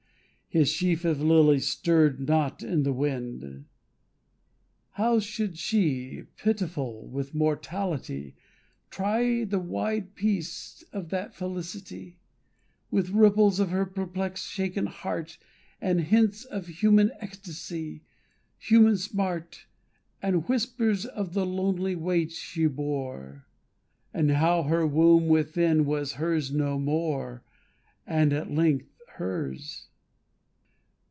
His sheaf of lilies stirred not in the wind. How should she, pitiful with mortality, Try the wide peace of that felicity With ripples of her perplexed shaken heart, And hints of human ecstasy, human smart, And whispers of the lonely weight she bore, And how her womb within was hers no more And at length hers?